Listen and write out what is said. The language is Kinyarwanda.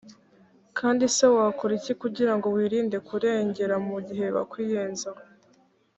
kandi se wakora iki kugira ngo wirinde kurengera mu gihe bakwiyenzaho